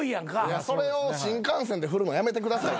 それを新幹線で振るのやめてください。